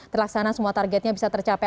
terlaksana semua targetnya bisa tercapai